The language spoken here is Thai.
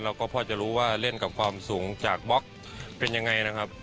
เราก็พอจะรู้ว่าเล่นกับความสูงจากบล็อกเป็นยังไงนะครับ